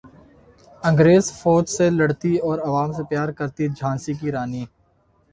انگریز فوج سے لڑتی اور عوام سے پیار کرتی جھانسی کی رانی